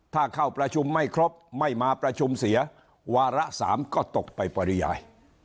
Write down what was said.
ถ้าเข้าประชุมไม่ครบไม่มาประชุมเสียวาระ๓ก็ตกไปปริยาย